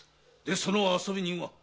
その遊び人は？